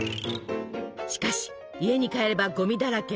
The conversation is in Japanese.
しかし家に帰ればゴミだらけ。